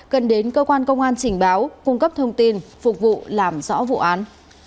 cần đến cơ quan công an trình báo cung cấp thông tin phục vụ làm rõ vụ án